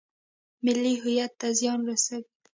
ملي هویت ته زیان رسوي.